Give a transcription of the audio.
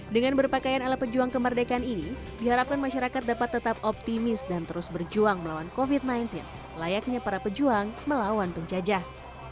dengan berpakaian ala pejuang kemerdekaan ini diharapkan masyarakat dapat tetap optimis dan terus berjuang melawan covid sembilan belas layaknya para pejuang melawan penjajah